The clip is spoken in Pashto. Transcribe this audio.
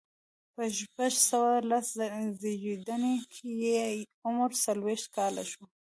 په شپږ سوه لس زيږديز کې یې عمر څلوېښت کاله شو.